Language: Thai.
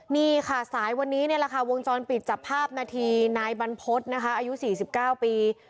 นี่ค่ะสายวันนี้นี่แหละค่ะวงจรปิดจับภาพนาทีนายบรรพฤษนะคะอายุ๔๙ปี